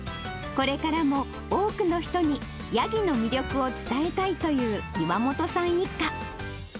これからも多くの人にヤギの魅力を伝えたいという岩元さん一家。